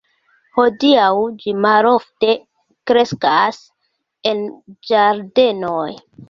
Hodiaŭ ĝi malofte kreskas en ĝardenoj.